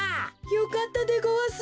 よかったでごわす。